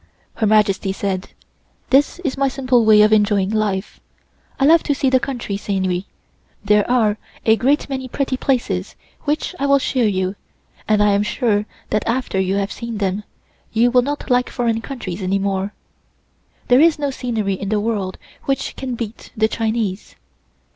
Her Majesty said: "This is my simple way of enjoying life. I love to see the country scenery. There are a great many pretty places which I will show you and I am sure that after you have seen them you will not like foreign countries any more. There is no scenery in the world which can beat the Chinese.